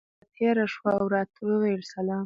کټ ته را تېره شوه او راته یې وویل: سلام.